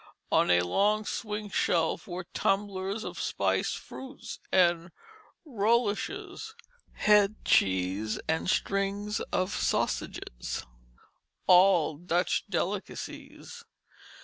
On a long swing shelf were tumblers of spiced fruits, and "rolliches," head cheese, and strings of sausages all Dutch delicacies.